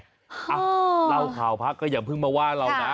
เล่าข่าวพักก็อย่าเพิ่งมาว่าเรานะ